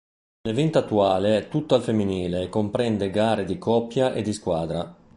L'evento attuale è tutto al femminile e comprende gare di coppia e di squadra.